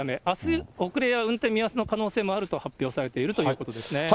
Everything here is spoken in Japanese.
あす、運転見合わせの可能性もあると発表されているということですね。